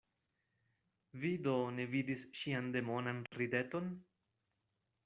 Vi do ne vidis ŝian demonan rideton?